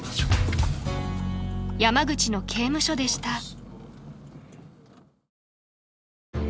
［山口の刑務所でした］